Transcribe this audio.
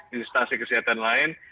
dinas kesehatan lain